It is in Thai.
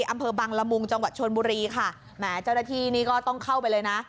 อำเภอบังละมุงจังหวัดชนบุรีค่ะแหมเจ้าหน้าที่นี่ก็ต้องเข้าไปเลยนะ